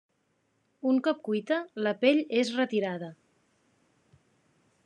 Un cop cuita, la pell és retirada.